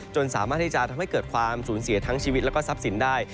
สามารถที่จะทำให้เกิดความสูญเสียทั้งชีวิตแล้วก็ทรัพย์สินได้